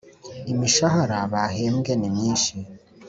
imishahara bahembwe ni myinshi